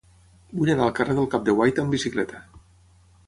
Vull anar al carrer del Cap de Guaita amb bicicleta.